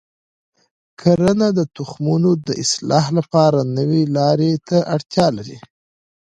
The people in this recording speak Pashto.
کرنه د تخمونو د اصلاح لپاره نوي لارې ته اړتیا لري.